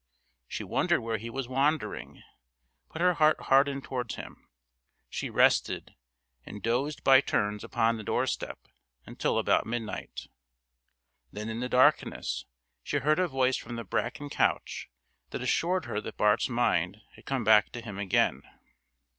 She wondered where he was wandering, but her heart hardened towards him. She rested and dozed by turns upon the doorstep until about midnight. Then in the darkness she heard a voice from the bracken couch that assured her that Bart's mind had come back to him again.